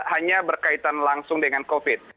hanya berkaitan langsung dengan covid